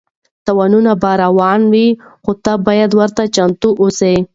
تاوانونه به راروان وي خو ته باید ورته چمتو اوسې.